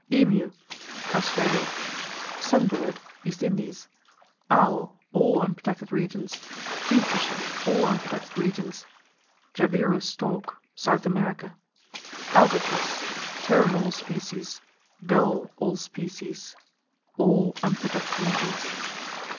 Emu Australia. Sun Bird East Indies. Owl All unprotected regions. Kingfisher All unprotected regions. Jabiru Stork South America. Albatross All unprotected regions. Tern, all species All unprotected regions.